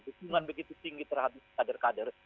dukungan begitu tinggi terhadap kader kader